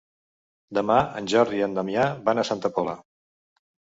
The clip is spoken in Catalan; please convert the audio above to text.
Demà en Jordi i en Damià van a Santa Pola.